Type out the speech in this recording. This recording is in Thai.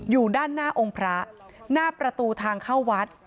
อยู่ด้านหน้าองค์พระหน้าประตูทางเข้าวัด